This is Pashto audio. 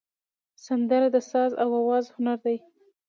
سندره د ساز او آواز هنر دی